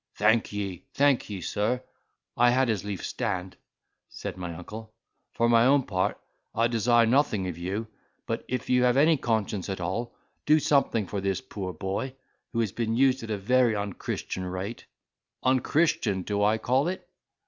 "Thank ye, thank ye, sir, I had as lief stand," said my uncle; "for my own part, I desire nothing of you; but, if you have any conscience at all, do something for this poor boy, who has been used at a very unchristian rate. Unchristian do I call it?